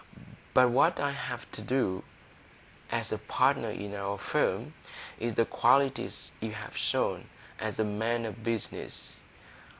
But what I have to do with, as a partner in our firm, is the qualities you've shown as a man o' business.